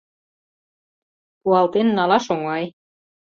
Пуалтен налаш оҥай.